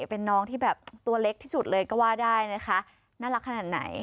เป็นน้องที่แบบตัวเล็กที่สุดเลยก็ว่าได้นะคะน่ารักขนาดไหน